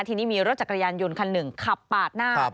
ทีนี้มีรถจักรยานยนต์คันหนึ่งขับปาดหน้า